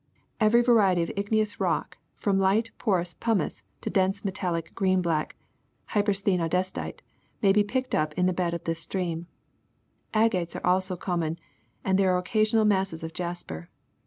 Every variety of igneous rock, from light porous pumice to dense metallic green black hypersthene andesite, may be picked up in the bed of this stream. Agates also are common and there are occasional masses of jasper.